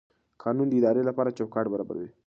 قانون د ادارې لپاره چوکاټ برابروي.